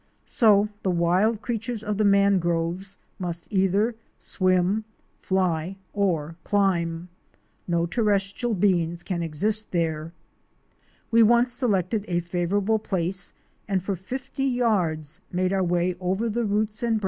So the wild creatures of the Mangroves must either swim, fly, or climb. No terrestrial beings can exist there. We once selected a favorable place, and for fifty yards made our way over the roots and branches II THE LAND OF A SINGLE TREE.